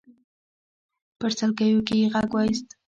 په سلګيو کې يې غږ واېست.